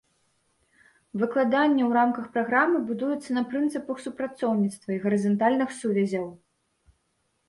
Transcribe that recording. Выкладанне ў рамках праграмы будуецца на прынцыпах супрацоўніцтва і гарызантальных сувязяў.